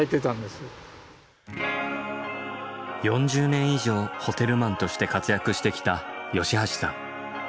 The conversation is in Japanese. ４０年以上ホテルマンとして活躍してきた吉橋さん。